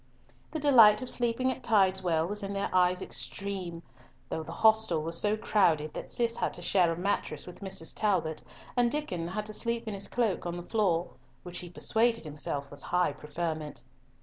The delight of sleeping at Tideswell was in their eyes extreme, though the hostel was so crowded that Cis had to share a mattress with Mrs. Talbot, and Diccon had to sleep in his cloak on the floor, which he persuaded himself was high preferment.